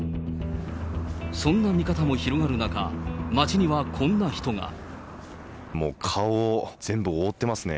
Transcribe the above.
そんな見方も広がる中、もう、顔を全部覆ってますね。